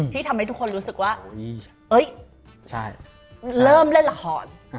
ที่ทำให้ทุกคนรู้สึกว่าเริ่มเล่นละคร